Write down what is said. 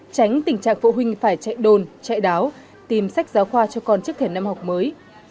tránh tình trạng phụ huynh phải chạy đồn chạy đáo tìm sách giáo khoa cho con trước thể năm học mới